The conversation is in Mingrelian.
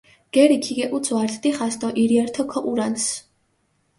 გერი ქიგეჸუცუ ართ დიხას დო ირიათო ქოჸურანს.